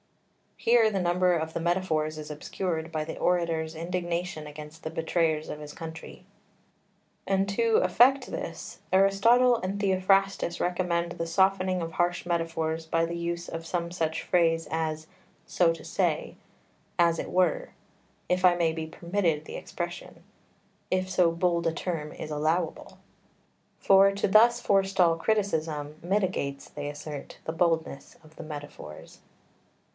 Here the number of the metaphors is obscured by the orator's indignation against the betrayers of his country. [Footnote 2: De Cor. 296.] 3 And to effect this Aristotle and Theophrastus recommend the softening of harsh metaphors by the use of some such phrase as "So to say," "As it were," "If I may be permitted the expression," "If so bold a term is allowable." For thus to forestall criticism mitigates, they assert, the boldness of the metaphors.